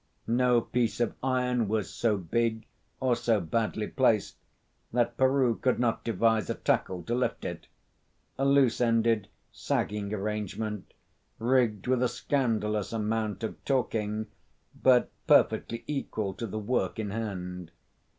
No piece of iron was so big or so badly placed that Peroo could not devise a tackle to lift it a loose ended, sagging arrangement, rigged with a scandalous amount of talking, but perfectly equal to the work in hand.